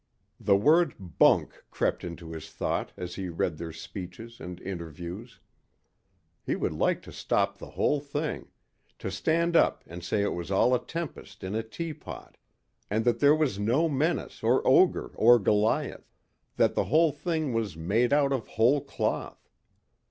The word "bunk" crept into his thought as he read their speeches and interviews. He would like to stop the whole thing, to stand up and say it was all a tempest in a teapot and that there was no menace or ogre or Goliath; that the whole thing was made out of whole cloth.